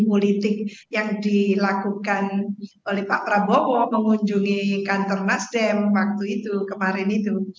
dan juga politik yang dilakukan oleh pak prabowo mengunjungi kantor nasdem waktu itu kemarin itu